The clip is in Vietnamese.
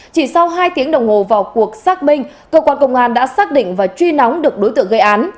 chỉ sau hai tiếng đồng hồ vào cuộc xác minh cơ quan công an đã xác định và truy nóng được đối tượng gây án